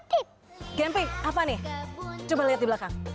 tit gempi apa nih coba lihat di belakang